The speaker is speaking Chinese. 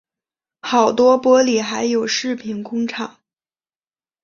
好多玻璃还有饰品工厂